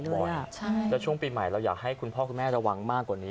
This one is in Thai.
แล้วช่วงปีใหม่เราอยากให้คุณพ่อคุณแม่ระวังมากกว่านี้